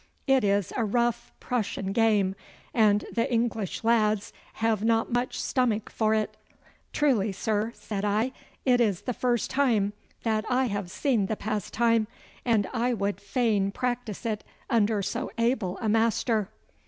'It is a rough Prussian game, and the English lads have not much stomach for it.' 'Truly, sir,' said I, 'it is the first time that I have seen the pastime, and I would fain practise it under so able a master.